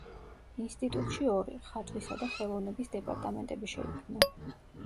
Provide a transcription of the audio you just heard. ინსტიტუტში ორი: ხატვისა და ხელოვნების დეპარტამენტები შეიქმნა.